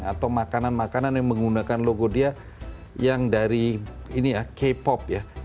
atau makanan makanan yang menggunakan logo dia yang dari ini ya k pop ya